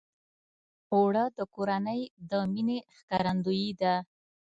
اوړه د کورنۍ د مینې ښکارندویي ده